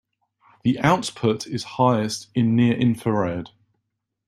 The output is highest in the near infrared.